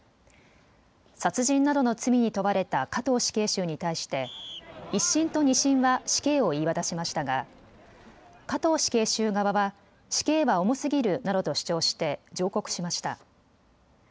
殺人などの罪に問われた加藤死刑囚に対して１審と２審は死刑を言い渡しましたが加藤死刑囚側は死刑は重すぎるなどと主張して上告しました。